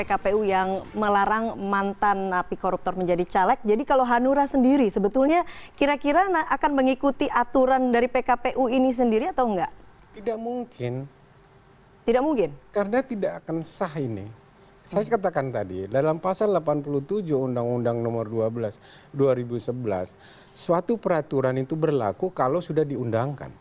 kami berkata sebelum ini dalam pasal delapan puluh tujuh undang undang nomor dua belas dua ribu sebelas suatu peraturan itu berlaku kalau sudah diundangkan